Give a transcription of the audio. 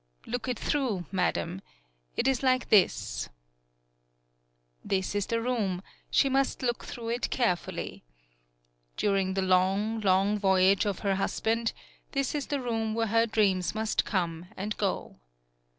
"Look it through, madam. It is like this.'* 61 PAULOWNIA This is the room; she must look through it carefully. During the long, long voyage of her husband, this is the room where her dreams must come and go.